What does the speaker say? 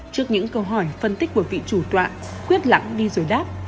trước những câu hỏi phân tích của vị chủ tọa khuyết lặng đi rồi đáp